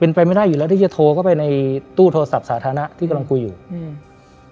เป็นไปไม่ได้อยู่แล้วที่จะโทรเข้าไปในตู้โทรศัพท์สาธารณะที่กำลังคุยอยู่อืม